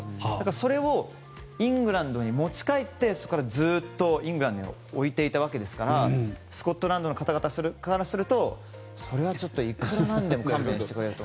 それをイングランドに持ち帰ってそこからずっとイングランドに置いていたわけですからスコットランドの方々からするとそれはちょっといくらなんでも勘弁してくれと。